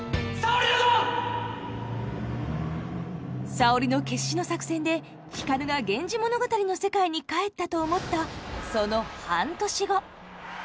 沙織の決死の作戦で光が「源氏物語」の世界に帰ったと思ったその半年後。